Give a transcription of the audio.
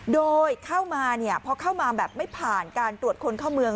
โดยเข้ามาพอเข้ามาแบบไม่ผ่านการตรวจคนเข้าเมือง